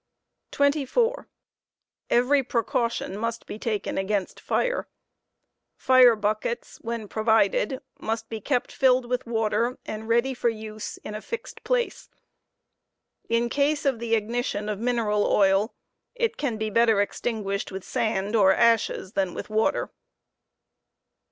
Precautions 24. Every precaution must be taken against fire. Fire buckets, when provided, against fire. must be kept filled with water and ready for use in a fixed place. In case of the ignition of mineral oil, it can be better extinguished with sand or ashes than with water.